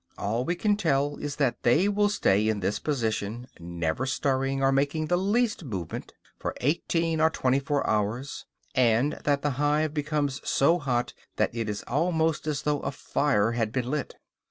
All we can tell is that they will stay in this position, never stirring or making the least movement, for eighteen or twenty four hours, and that the hive becomes so hot that it is almost as though a fire had been lit.